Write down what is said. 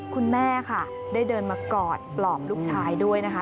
คุณแม่ค่ะได้เดินมากอดปลอบลูกชายด้วยนะคะ